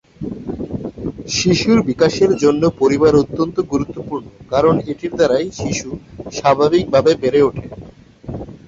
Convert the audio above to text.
শিশুর বিকাশের জন্য পরিবার অত্যন্ত গুরুত্বপূর্ণ কারণ এটির দ্বারাই শিশু স্বাভাবিকভাবে বেড়ে উঠে।